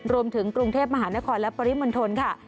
รวมถึงกรุงเทพมหานครและปริมณฑลค่ะ